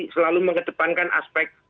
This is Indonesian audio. selalu mengedepankan aspek